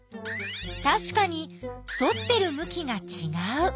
たしかに反ってるむきがちがう。